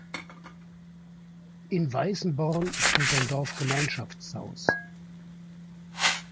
In Weißenborn steht ein Dorfgemeinschaftshaus.